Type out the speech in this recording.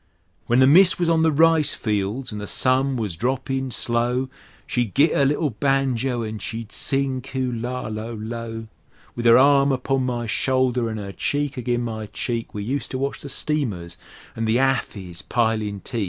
When the mist was on the rice fields an' the sun was droppin' slow, She'd git 'er little banjo an' she'd sing "Kulla lo lo!" With 'er arm upon my shoulder an' 'er cheek agin' my cheek We useter watch the steamers an' the hathis pilin' teak.